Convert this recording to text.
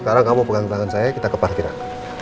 karena kamu pegang tangan saya kita ke parkiran